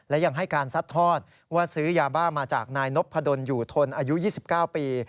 และยังให้การซัดทอดว่าซื้อยาบ้ามาจากนายนพดลอยู่ทนอายุ๒๙ปี